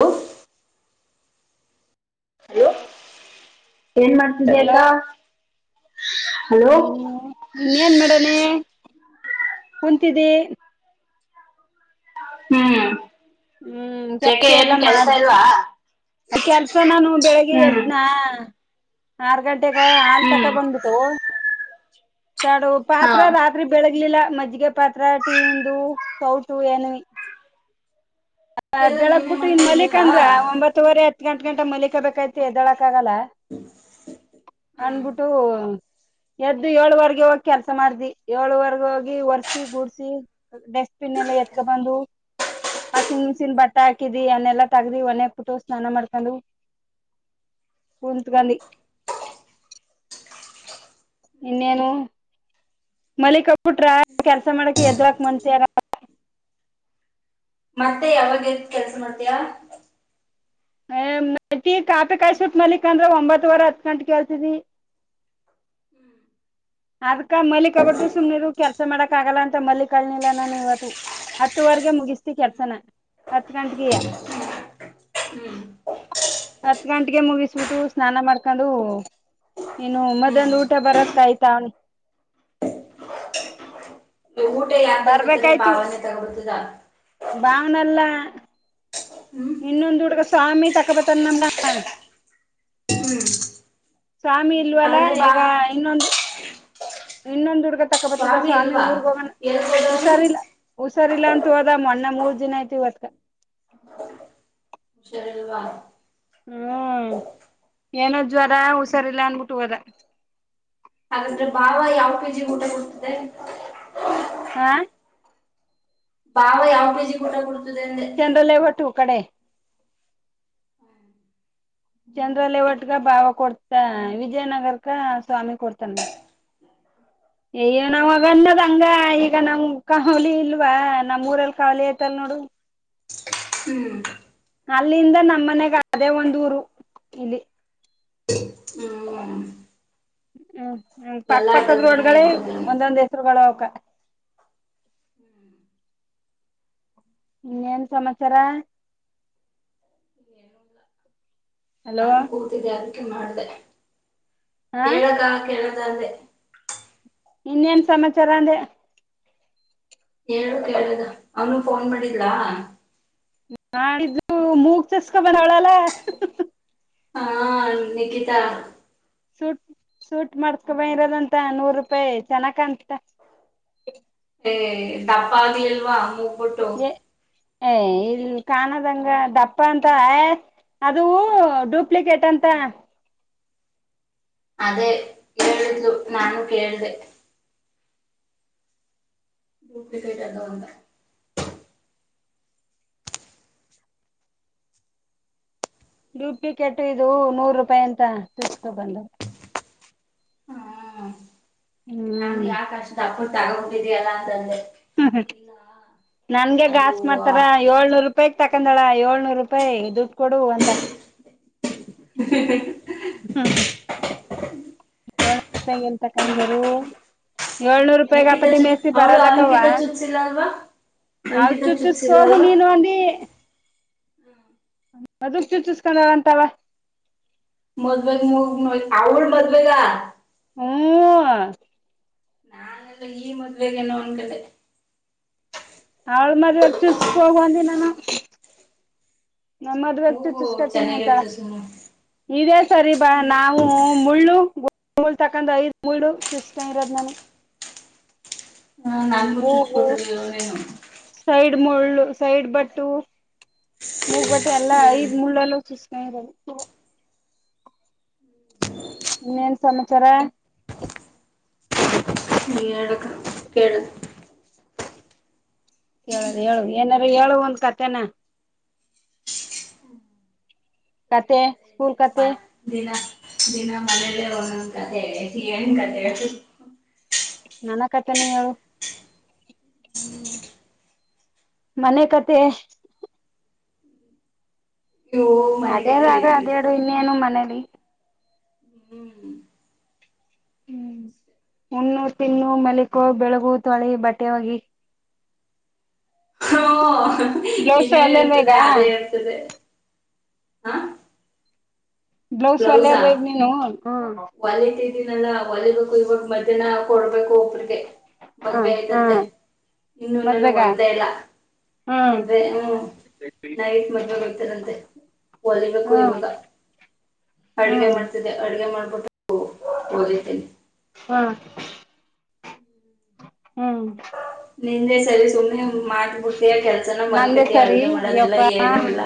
hello hello ಏನ್ hello ಮಾಡ್ತಿದ್ದ್ಯಾ ಅಕ್ಕ ಹಲೋ ಹ್ಮ್ ಇನ್ ಏನ್ ಮಾಡಣೆ ಕುಂತಿದ್ದಿ ಹ್ಮ್ ಹ್ಮ್ ಏಕೆ ಏನು ಕೆಲ್ಸ ಇಲ್ವಾ ಆ ಕೆಲ್ಸನಾನು ಬೆಳಿಗ್ಗೆ ಹ್ಮ್ ಎದ್ನ ಆರ್ ಗಂಟೆಗ ಹಾಲ್ ಹ್ಮ್ ತಕ ಬಂದ್ಬಿಟ್ಟು ತಡು ಹಾ ಪಾತ್ರ ರಾತ್ರಿ ಬೆಳಗ್ಲಿಲ್ಲ ಮಜ್ಜಿಗೆ ಪಾತ್ರೆ ಟಿ ಇಂದು ಸೌಟು ಏನು ವೇ ಎಲ್ಲ ಬೆಳಗ್ ನೀನೇ ಬಿಟ್ಟು ಇನ್ ಮಲಕ್ ಮಾಡ್ಕೊಬೇಕಾ ಅಂದ್ರ ಒಂಬತ್ತುವರೆ ಗಂಟ ಗಂಟ ಮಲಿಕಬೇಕು ಎದ್ದಳಕ್ ಆಗಲ್ಲ ಅನ್ಬಿಟ್ಟು ಎದ್ದು ಏಳು ವಾರಷ ಬೆಳಿಗ್ಗೆ ಹೋಗಿ ಕೆಲಸ ಮಾಡ್ದಿ ಏಳುವರೆಗ ಹೋಗಿ ಒರ್ಸಿ ಗೂಡಸಿ ಡಸ್ಟ್ಬಿನ್ ಎಲ್ಲ ಎತ್ಕ ಬಂದು ವಾಷಿಂಗ್ ಮಿಷಿನ್ ಬಟ್ಟ ಹಾಕಿದಿ ಅನ್ನೆಲ್ಲಾ ತಗ್ದಿ ಒನೆಯಾಗ ಪಟ್ಟ ಸ್ನಾನ ಮಾಡ್ಕೊಂಡ ಕುಂತಗಾಂಧಿ ಇನ್ನೇನು ಮಲ್ಲಿಕ್ಬ್ಬಿಟ್ರ ಕೆಲ್ಸ ಮಾಡಕ್ ಎದವಾಕ್ ಮನ್ಸ ಆಗ [unintelligible] ಮತ್ತೆ ಯಾವಾಗ ಎದ್ದ್ ಕೆಲ್ಸ ಮಾಡ್ತಯ ಏ ಟಿ ಕಾಪಿ ಕಾಯಬಿಟ್ ನಲ್ಲಿಕ್ ಅಂದ್ರೆ ಒಂಬತ್ತವರೆ ಹತ್ ಗಂಟೆಗೆ ಏಳ್ತಿದಿ [inaudible] ಅದಕಾ ಮಲ್ಲಿಕ ಬಾರ್ದು ಸುಮ್ನಿರು ಕೆಲ್ಸ ಮಾಡಕ್ ಆಗಲ್ಲ ಅಂತ ಮಲ್ಲಿ ಕಳನಿಲ್ಲ ನಾನು ಇವತ್ತು ಹತ್ತುವರೆಗೆ ಮುಗಿಸ್ತಿ ಕೆಲ್ಸನ ಹತ್ತು ಗಂಟಗೆಯ ಹ್ಮ್ ಹತ್ ಗಂಟೆಗೆ ಮುಗಿಸ್ಬಿಟ್ಟು ಸ್ನಾನ ಮಾಡ್ಕೊಂಡು ಇನು ಮದ್ಯಾನದ ಹ್ಮ್ ಊಟ ಬರತ್ ಕಾಯ್ತಾ ಅವನಿ ಊಟ ಯಾರ ತಗಬರ್ತಾರೆ ಭಾವನೆ ತಗೊಡ್ತದ ಇನ್ನೊಂದು ದೂಡುಗ ಸಾಮಿ ತಕ್ಕಪ್ಪತ ನ ಹ್ಮ್ ಸ್ವಾಮಿ ಇಲ್ವಲ್ಲ ಹಾಗಾದ್ರೆ ಬಾ ಈಗ ಇನ್ನೊಂದು ಇನ್ನೊಂದು ಹುಡುಗ ತಕಬರ್ತಿದ ಸ್ವಾಮಿ ಊರ್ಗ ಹೋಗಣ ಎಲ್ಗೋದವನು ಹುಷಾರಿಲ್ಲ ಹುಸಾರಿಲ್ಲ ಅಂತು ಹೋದ ಮಣ್ಣೆ ಮೂರ್ ಏನಾಯ್ತು ಒಕ [unintelligible] ಹುಷಾರಿರುವಾ ಹ್ಮ್ ಏನೋ ಜ್ವರ ಹುಷಾರಿಲ್ಲ ಅನ್ಬಿಟ್ಟ ಹೋದ ಹಾಗಂದ್ರೆ ಭಾವ ಯಾವ ಕೆ ಜಿ ಊಟ ಕೊಡ್ತದೆ ಹಾ [unintelligible] [unintelligible] ಚಂದ್ರಲೇವಟ್ಟು ಕಡೆ ಜನ್ರಲ್ಲೇ ಒಟ್ಗ ಭಾವ ಕೊಡ್ತ ವಿಜಯನಗರ್ಗ ಸ್ವಾಮಿ ಕೊಡ್ತಾನ [unintelligible] ಅಯ್ಯ ನಾವ್ಗ ಅನ್ನದ್ಂಗ ಈಗ ನಮ್ ಕಾವಲಿ ಇಲ್ವಾ ನಮ್ ಊರಲ್ಲಿ ಕಾವಲಿ ಯ್ತಲ್ ನೋಡು ಹ್ಮ್ ಅಲ್ಲಿಂದ ನಮ್ಮ ಮನೆಗ ಅದೇ ಒಂದ ಊರು ಇಲ್ಲಿ ಹ್ಮ ಹ್ಮ್ ಹ್ಮ ಪಕ್ಕ ಪಕ್ಕದ ರೋಡ್ಗಳೇ ಇರ್ತಿದ್ದೀನಿ ಒಂದೊಂದ್ ಹೆಸ್ರುಗಳು ಅವಕ ಇನ್ನೇನ್ ಸಮಾಚಾರ ಹ [unintelligible] ಹಲೋ ನಾನು ಕೂತಿದ್ದೆ ಅದಕ್ಕೆ ಮಾಡ್ದೆ ಹಾ ಹೇಳದ ಕೇಳದ ಅೆ [unintelligible] ಇನ್ನೇನ್ ಸಮಾಚಾರ ಅಂದೆ ಹೇಳು ಕೇಳದ ಅಮ್ಮು ಫೋನ್ ಮಾಡಿದಲಾ ಮಾಡಿದ್ಲು ಮೂಗ ಚುಚ್ಚಸ್ಕೊಂದ ಬಂದವಳಲ್ಲ ಹಾ ನಿಕಿತಾ ಸೂಟ್ ಸೂಟ್ ಮಾಡಸಕೊಂಬ ಇರೋದಂತ ನೂರು ರೂಪಾಯಿ ಚೆನ್ನಾಗ ಕಾಣತಿತ್ತ ಹೇ ದಪ್ಪ ಹಾಗಲ್ಲಿಲ್ವಾ ಮೂಗ್ ಬೂಟ್ಟು ಎ ಏ ಇಲ್ ಕಾಣದಂಗ ದಪ್ಪ ಅಂತ ಅದು ಡೂಪ್ಲಿಕೇಟ್ ಅಂತ ಅದೇ ಹೇಳಿದ್ಲು ನಾನು ಕೇಳ್ದೆ ಡ್ಯೂಪ್ಲಿಕೇಟ್ ಅದು ಅಂತ ಡೂಪ್ಲಿಕೇಟು ಇದು ನೂರು ರೂಪಾಯಿ ಅಂತ ಚಚ್ಚಸ್ಕೊಬಂದುವ ನಾನ್ ಹ್ಮ್ ಯಾಕ ಅಷ್ಟ ದಪ್ಪ ತಗೂಬಿಟಿದಿಯಲ್ಲ ಅಂತ ಅಂದೆ ನನ್ಗೆ ಗಾಸ್ ಮಾಡ್ತಾರ ಅದು ಏಳ್ನೂರು ರೂಪಾಯಕ್ ತಕೊಂಡಳ ಏಳ್ ನೂರು ರೂಪಾಯಿ ದುಡ್ಡು ಕೊಡು ಅಂತ ಹ್ಮ ಹ ಎಳನೂರಪಾಯಗ ಎಲ್ಲಿ ತಕಾಂದಿರು ಏಳ್ನೂರು ರೂಪಾಯಿಗ ನಿಕಿತಾ ಅಪಾಟಿ ಚುಚ್ ಮೇಯಸಿ ಅವಳು ಬರಲ್ಲಕ್ಕವ ಅಂಕಿತಾ ಚುಚ್ಸಿಲ್ಲ ಅಲ್ವಾ ಅಲ್ ಅಂಕಿತಾ ಚುಚ್ಚಸೋಕ ಚುಚ್ಸಿಲ್ಲ ಹೋಗು ಅಲ್ವಾ ನೀನು ಅಂದಿ ಅದುಷ್ಟಿ ಚುಚ್ಚಸಕೂಂಡಲ್ಲ ಅಂತಲ್ಲ ಮದ್ವೆೇಗ್ ಎಂಗ ಹೋಗುನ ಅವಳ ಮದ್ವೆೇಗ ಹ್ಮ್ ನಾನೆಲ್ಲೂ ಈ ಮದ್ವೆೆಗೆ ಎನೋ ಅನ್ಕೊಂಡೆ ಅವಳ ಮದ್ವೆಲ್ಲಿ ಚುಚ್ಚಿಸ್ಕೊ ಹೋಗು ಅಂದೆ ನಾನು ನನ್ ಮದುವೆ ಮೂಗು ಚುಚ್ಚುಸ್ಕೊತಿನಿ ಅಂತ ಚೆನ್ನಾಗಿರುತ್ತೆ ಸುಮ್ಮನೆ ಇದೇ ಸರಿ ಬಾ ಹ್ಮ್ ನಾವು ಮುಳ್ಳು ಮೂಳ್ ತಕೊಂಡ್ ಐದ್ ಮೂಳು ಚುಚ್ಚಸೋಕಂದ ಇರೋದ್ ನಾನು ಹ ನನ್ಗೂ ಚುಚ್ ಮೂಗು ಕೊಟ್ಟಿರ್ಲಿಲ್ಲವ ಎನು ಸೈಡ್ ಮುಳ್ಳು ಸೈಡ್ ಬಟ್ಟು ಮೂಗ್ ಬೂಟ್ಟು ಎಲ್ಲಾ ಐದ್ ಮುಳ್ಳಲ್ಲು ಚುಚ್ಚಸ್ಕೊಂದ ಇರದು [unintelligible] ಇನ್ನೇನ್ ಸಮಾಚಾರ ಹೇಳ್ಬೇಕು ಕೇಳದು ಕೇಳದು ಹೇಳು ಏನಾರು ಹೇಳು ಒಂದ ಕಥೆನ ಕತೆೆ ಸ್ಕೂಲ್ ಕತೆ ದಿನಾ ದಿನ ಮನೇಲ್ಲೇ ಒಂದೂಂದ ಕತೆ ಏನ್ ಕತೆ ಹೇಳ್ತ ನನ ಕಥೆನೆ ಹೇಳು ಮನೆ ಕಥೆ ಇವು ಮನೆ ಕತೆ ಅದೇರಾಗ ಹೇಳಿ ಅದೇಳಡು ಇನ್ನೇನು ಮನೇಲಿ ಹ್ಮ್ ಹ್ಮ್ ಅಷ್ಟೇ ಹುಣ್ಣು ತಿನ್ನು ಮೆಲಿಕೋ ಬೆಳಗು ತೊಳಿ ಬಟ್ಟೆ ಹೋಗಿ ಬ್ಲೌಸು ಇನ್ನೇನ್ ಅಲ್ಲೇ ಅಲ್ವ ಇರ್ತದೆ ಈಗ ಅದೇ ಇರ್ತದೆ ಹಾ ಬ್ಲೌಸ್ ಓಲ್ಲೆಲ್ಲವ ಈಗ ನೀನು ನಲ್ಲ ಒಲಿಬೇಕು ಇವಾಗ ಮಧ್ಯಾಹನ ಕೊಡ್ಬೇಕು ಒಗೆ ಮದ್ವೆ ಹ್ಮ್ ಆಯ್ತಂತೆ ಹ್ಮ್ ಇನ್ನುೂ ನನ ಮದ್ವೆಗ ಒರ್ದ ಇಲ್ಲ ಹ್ಮ್ ಮದ್ವೆ ಹ್ಮ್ ನೈಟ್ ಮದ್ವೆ ಹೋಯ್ತಾರಂತೆ ಹೊಲಿಬೇಕು ಹ್ಮ್ ಇವಾಗ ಅಡ್ಗೆ ಮಾಡ್ತಿದ್ದೆ ಅಡ್ಗೆ ಮಾಡ್ಬಿಟ್ಟು ಹೊಲಿತೀನಿ ಹ್ಮ ಹ್ಮ್ ನಿಂದೇ ಸರಿ ಸುಮ್ಮನೆ ಮಾಡ್ಬಿಡ್ತಯ ಕೆಲ್ಸನ ನಂದೇ ಮಲ್ಕತಿ ಸರಿ ಅಡ್ಗೆ ಮಾಡೋದಿಲ್ಲ ಅಯ್ಯಪ್ಪ ಏನು ಇಲ್ಲ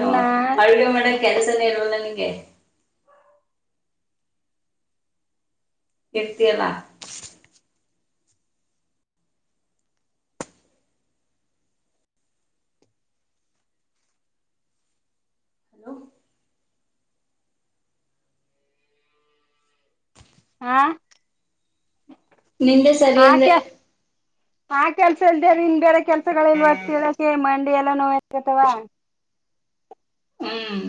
ನು ಅಳ್ಗೆ ಮಾಡ ಕೆಲಸನೇ ಇವಲ್ಲ ನಿ ಹ ಎಡ್ತಿಯಲ್ಲ ಹಲೋ ಹಾ ನಿಂದೆ ಸರಿ ಅಂದೆ ಆ ಕೆಲ್ಸ ಇಲ್ ನಿನ್ ಬೇರೆ ಕೆಲ್ಸ ಬರ್ತ ಎಲ್ಲ ನೋಕತವಾ ಹ್ಮ್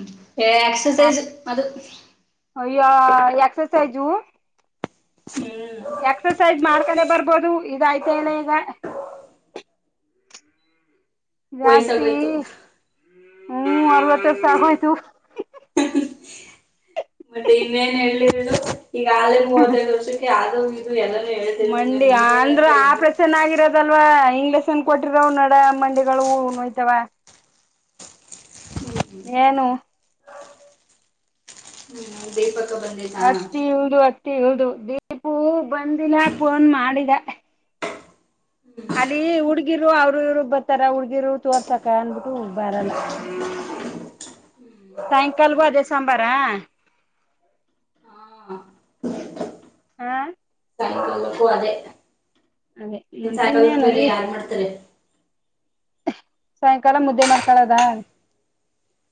ಎಕ್ಸಸೈಸ್ ಅದು ಅಯ್ಯ ಎಕ್ಸಸೈಜ ಹ್ಮ್ ಎಕ್ಸಸೈಜ್ ಮಾಡ್ಕೊಂಡೆ ಬರ್ಬೋದು ಇದಯ್ತ ಎಲ್ಲ ಈಗ ಜಾಸ್ತಿ ವಯಸ್ಸಾಗೋಯ್ತು ಹ್ಮ್ ಅರವತ್ತ ಶಾಕ ತು ಮತ್ತೆ ಇನ್ನೇನ್ ಹೇಳು ಈಗ ಆೇ ಮೂವತ್ತೈದು ವರ್ಷಕ್ಕೆ ಆದ ಮಂಡಿ ಅಂದ್ರ ಹೇಳಿ ಆಪ್ರೇಷನ್ ಆಗಿರೋದಲ್ವಾ ಹಂಗ್ ಲೆಸನ್ ಕೊಟ್ಟಿರಾವ ನಡ ಮಂಡಿಗಳು ನೋಯ್ತಾವ ಹ್ಮ್ ಏನು ಹ್ಮ್ ದೇಪ ಅಷ್ಟಿ ಇಳ್ದ ಅತ್ತಿ ಇಳ್ದ ದೀಪೂ ಬಂದಿಲ್ಲ ಫೋನ್ ಮಾಡಿದ ಅಲ್ಲಿ ಹುಡ್ಗಿರು ಅವ್ರು ಇವರು ಬರ್ತಾರ ಹುಡ್ಗಿ ಹಗಿರು ತೋರ್ಸಕ ಅನ್ಬಿಟ್ಟು ಬಾರಲ್ಲ ಸಾಯಂಕಾಲ ಪೂ ಅದೇ ಸಾಂಬಾರಾ ಹಾ ಹಾ ಕಕ್ಕು ಅದೇ ಅದೇ ನಿನ್ ಸಾಕ ಇನ್ನೇನು ಬೇರೆ ಈ ಯಾರ್ ಮಾಡ್ತಾರೆ ಸಾಯಂಕಾಲ ಮುದ್ದೆ ಮಾಡ್ಕಳದ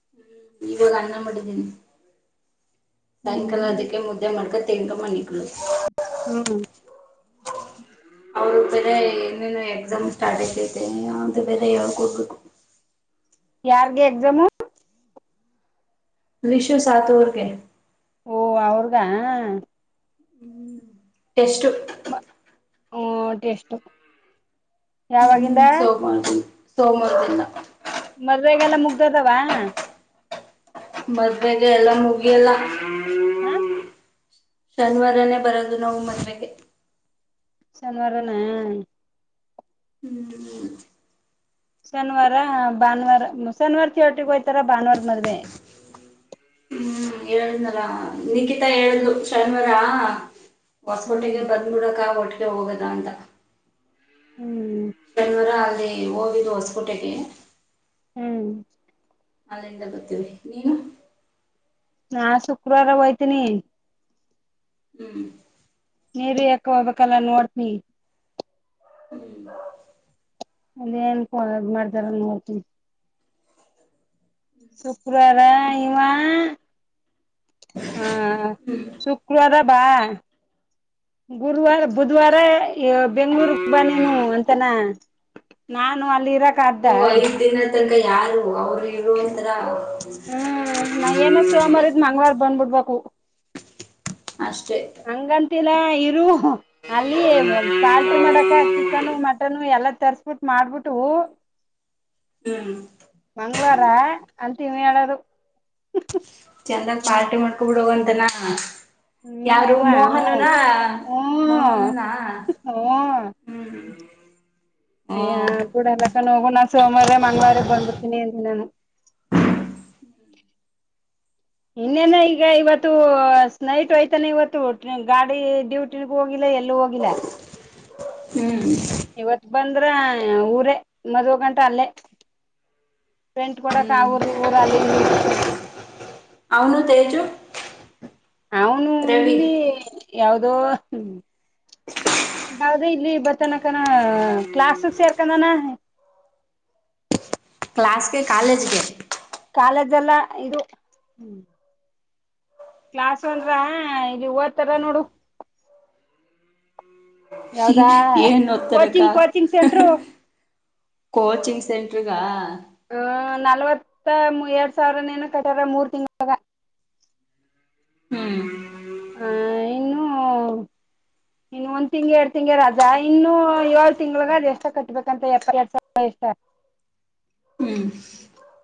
ಹ್ಮ್ ಇವಾಗ ಅನ್ನ ಮಾಡಿದೀನಿ ಸಾಯಂಕಾಲ ಹ್ಮ್ ಅದಕ್ಕೆ ಮುದ್ದೆ ಮಾಡ್ಕೊಂಡ ತಿನ್ಕೊ ಮಣಕ್ಳ ಹ್ಮ ಅವರು ಬೇರೆ ಏನೇನು ಎಕ್ಸಾಮ್ ಸ್ಟಾರ್ಟ್ ಆಐತತೆ ಅ್ರ ಬೇರೆ ಯಾವಕ್ ಹೋಗಬೇಕು ಯಾರ್ಗೆ ಎಕ್ಸಾಮು ವಿಷ್ವ ಸಾತುರ್ಗೆ ಓ ಅವ್ರಗ ಎಷ್ಟು ಹ್ಮ ಟೇಸ್ ಹ್ಮ್ ಸೋಮವಾರ ಸೋಮವಾರದಲ್ಲ ಮದ್ವೆೆಗೆಲ್ಲ ಮುಗ್ದದಾವ ಮದ್ವೆೆಗೆ ಎಲ್ಲ ಮುಗಿಯಲ್ಲ ಹಾ ಶನಿವಾರನೇ ಬರೋದು ನಾವು ಮದ್ವೆೆಗೆ ಸನವಾರಣ ಹ್ಮ್ ಶನಿವಾರ ಭಾನುವಾರ ಶನಿವಾರ ಹೋಗ್ತಾರೆ ಭಾನುವಾರ ಮದುವೆ ಹ್ಮ್ ಹೇಳುದ್ನಲ ನಖಿತಾ ಹೇಳ್ದು ಶನಿವಾರ ಹ್ಮ್ ಹೊಸಪೋಟಿಗೆ ಬಂದ್ಬಿಡಕ ಒಟ್ಟಿಗೆ ಹೋಗದ ಅಂತ ಹ್ಮ್ ಶನ್ವರ ಅಲ್ಲಿ ಹೋಗಿದ್ದು ಹೊಸಕೋಟೆಗೆ ಹ್ಮ್ ಅಲ್ಲಿಂದ ಗೊತ್ತೀವಿ ನೀನು ನಾ ಶುಕ್ರವಾರ ಹಯ್ತೀನಿ ಹ್ಮ್ ನೀವ ಯಕ ಹೋಗ್ಬೇಕಲ್ಲ ನೋಡ್ತನಿ ಇಲ್ಲ ಅದ ಏನ್ ಮಾಡ್ತಾರ ನೋಡ್ತ ಶುಕ್ರವಾರ ಇವಾ ಹಾ ಹ್ಮ್ ಹ್ಮ್ ಶುಕ್ರವಾರ ಬಾ ಗುರುವವಾರ ಬುಧವಾರ ಬೆಂಗಳೂರು ಬಾನನು ಅಂತನಾ ನಾನು ಅಲ್ಲಿ ಇರ ಹ ಐದ್ ದಿನ ತಂಗ ಯಾರು ಅವ್ರು ಹೇಳುವಂಥರ ಹ್ಮ್ ನಾ ಏನ ಸೋಮವಾರಿದ್ ಮಂಗವಾರ ಬಂದ್ಬಿಡ್ಬೇಕು ಅಷ್ಟೇ ಆಯತು ಹಂಗಂತಿಲ್ಲ ಇರು ಅಲ್ಲಿ ಪಾರ್ಟಿ ಮಾಡಕ ಚಿಕನು ಮಟನು ಎಲ್ಲ ತರ್ಸ್ಬಿಟ್ಟು ಮಾಡ್ಬಿಟ್ಟು ಹ್ಮ್ ಮಂಗಳವಾರ ಅಂತಮಿ ಆದು ಚಂದಾಗ್ ಪಾರ್ಟಿ ಮಾಡ್ಕೊ ಬಿಡೋಗಂತನಾ ಇವ ಯಾರು ಇವ ಮೋಹನುನಾ ಹ್ಮ್ ಮೋಹನನಾ ಹ್ಮ್ ಹ್ಮ್ ಹ್ಮ್ ಅಯ್ಯ ಪೂಡ ಎಲ್ಲಕ್ಕ ಹೋಗು ನಾು ಸೋಮವಾರ ಮಂಗಳವರ ಬಂದ್ಬಿಡ್ತೀನಿ ಅಂತ ನಾನು [inaudible] ಇನ್ನೇನ ಈಗ ಇವತ್ತು ಸ್ ನೈಟ್ ಯ್ತಾನ ಇವತ್ತು ಗಾಡಿ ಡ್ಯೂಟಿ ಹೋಗಿ ಹಿಲ್ಲ ಎಲ್ಲೂ ಹೋಗಿಲ್ಲ ಹ್ಮ್ ಇವತ್ ಬಂದ್ರ ಊರೇ ಮದುವೆ ಗಂಟ ಅಲ್ಲೇ ಫ್ರೆಂಟ್ ಕೊಡಕ ಹ್ಮ್ ಊರು ಊರು ಅಲ್ಲಿಲ್ಲಿಸದೆ ಅವನು ತೇಜು ರವಿ ಅದು ಬ ಇಲ್ಲಿ ಬತ್ತನಕಣ ಕ್ಲಾಸ್ ಯಾರ್ಕನಾನ ಕ್ಲಾಸ್ಗೆ ಕಾಲೇಜ್ಗೆ ಕಾಲೇಜೆಲ್ಲ ಇದು ಕ್ಲಾಸ್ ಒಂದ್ರ ಇದುವತ್ತರ ನೋಡು ಯಾವ್ದಾ ಏನ್ ಒತ್ತರಕ್ಕಾ ಕೋಚಿಂಗ್ ಕೋಚಿಂಗ್ ಸೆಂಟ್ರು ಕೋಚಿಂಗ್ ಸೆಂಟರ್ಗ ಹ ನಲ್ವತ್ತ ಎರಡ್ ಸಾವಿರನೇನ ಕಟ್ಟ್ಯಾರ ಮೂರ್ ತಿಂಗಳಾಗ ಹ್ಮ್ ಹಹ ಇನ್ನುೂ ಇನ್ನು ಒಂದ್ ತಿಂಗ್ ಎರಡ್ ತಿಂಗಳು ರಜಾ ಇನ್ನು ಏಳ್ ತಿಂಗ್ಳಗ ಅ್ ಎಷ್ಟ ಕಟ್ಬೇಕಂತ ಎಪ್ಪ ಎರಡ್ ಸಾವಿರಷ್ಟ ಹ ಹ್ಮ್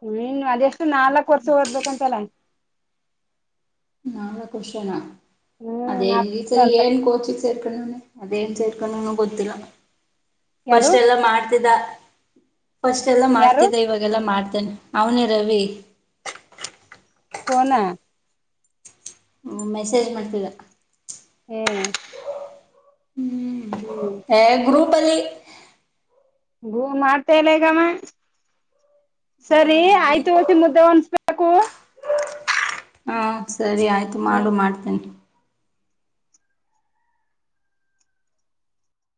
ಹ್ಮ್ ಇನ್ನು ಅದೆಷ್ಟು ನಾಲ್ಕ್ ವರ್ಷ ಓದ್ಬೇಕಂತಲ್ಲ ನಾಲ್ಕು ವರ್ಷನಾ ಹ್ಮ್ ಅದೇ ನಾಲ್ಕ್ ಈ ವರ್ಷ ಸರಿ ಅಂತ ಏನ್ ಕೋಚಿ ಸೇರ್ಕೊಂಡ ಅೇನ್ ಸೇರ್ಕೊಂಡ ಗೊತ್ತಿಲ್ಲ ಯಾರು ಫಸ್ಟ್ ಎಲ್ಲ ಮಾಡ್ತಿದ್ದ ಫಸ್ಟ್ ಎಲ್ಲ ಯಾರು ಮಾಡ್ತಿದ್ದೆ ಇವಾಗೆಲ್ಲ ಮಾಡ್ತೇನೆ ಅವನೇ ರವಿ ಪೋನ ಹ್ಞ ಮೆಸೇಜ್ ಮಾಡ್ತೀರ ಹ್ಮ್ ಹ್ಮ್ ಗ್ರೂಪ್ ಅಲ್ಲಿ ಹೂ ಮಾಡ್ತಲ್ಲ ಈಗಮ್ಮ ಹ್ಮ ಸರಿ ಅದ್ನೇ ಆಯ್ತು ಮುದ್ದೆ ಒನ್ಸ್ಬೇಕ ಹಕ್ಕ ಹಾ ಸರಿ ಆಯ್ತು ಹ್ಮ್ ಮಾಡು ಮಾಡ್ತೇನೆ